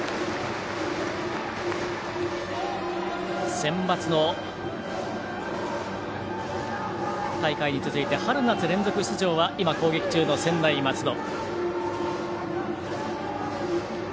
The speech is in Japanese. センバツの大会に続いて春夏連続出場は今、攻撃中の専大松戸。